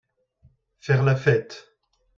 Faire la fête.